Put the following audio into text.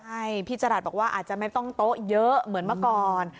ใช่พี่จรัสบอกว่าอาจจะไม่ต้องโต๊ะเยอะเหมือนเมื่อก่อน